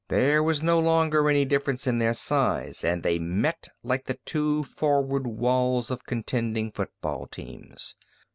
There was no longer any difference in their size and they met like the two forward walls of contending football teams.